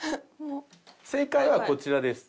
正解はこちらです。